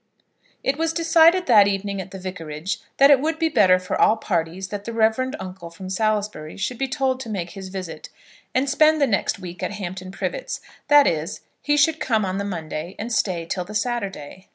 It was decided that evening at the Vicarage that it would be better for all parties that the reverend uncle from Salisbury should be told to make his visit, and spend the next week at Hampton Privets; that is, that he should come on the Monday and stay till the Saturday.